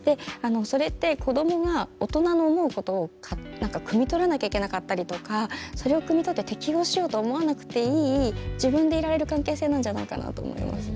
それって子供が大人の思うことをくみ取らなきゃいけなかったりとかそれをくみ取って適応しようと思わなくていい自分でいられる関係性なんじゃないかなと思います。